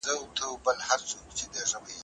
جادوګر وي غولولي یې غازیان وي